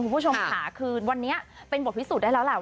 คุณผู้ชมค่ะคือวันนี้เป็นบทพิสูจน์ได้แล้วแหละ